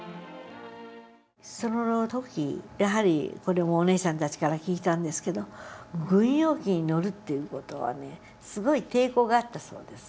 その時やはりこれもおねえさんたちから聞いたんですけど軍用機に乗るっていう事はねすごい抵抗があったそうです。